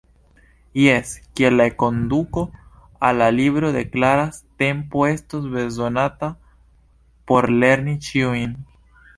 Jes, kiel la enkonduko al la libro deklaras: “Tempo estos bezonata por lerni ĉiujn”.